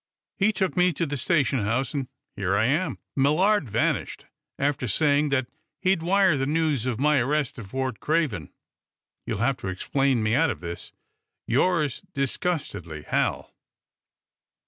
He took me to the station house, and here I am! Millard vanished, after saying that he'd wire the news of my arrest to Fort Craven. You'll have to explain me out of this. Yours disgustedly, Hal."